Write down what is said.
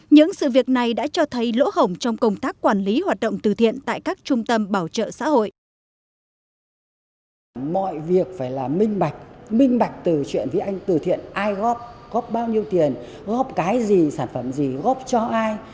những sự việc này đã cho thấy lỗ hồng trong công tác quản lý hoạt động từ thiện tại các trung tâm bảo trợ xã hội